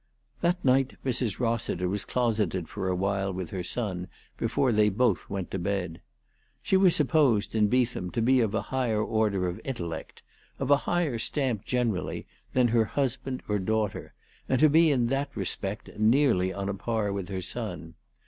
That night Mrs. Rossiter was closeted for awhile with her son before they both went to bed. She was supposed, in Beetham, to be of a higher order of in tellect, of a higher stamp generally, than her hus band or daughter, and to be in that respect nearly on a par with her son.